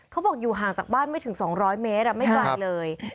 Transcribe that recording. เขาบอกอยู่ห่างจากบ้านไม่ถึง๒๐๐เมตรไม่ไกลเลย